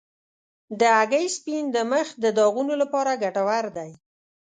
د هګۍ سپین د مخ د داغونو لپاره ګټور دی.